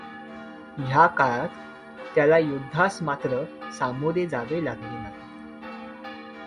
या काळात त्याला युद्धास मात्र सामोरे जावे लागले नाही.